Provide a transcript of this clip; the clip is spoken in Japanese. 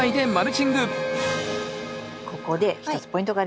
ここで一つポイントがあります。